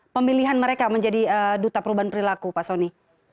pemilihan mereka menjadi duta perubahan perilaku pak soni